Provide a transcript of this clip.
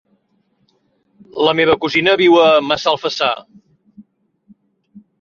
La meva cosina viu a Massalfassar.